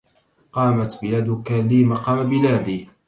قامت بلادك لي مقام بلادي